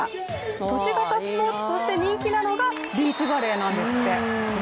都市型スポーツとして人気なのがビーチバレーなんですって。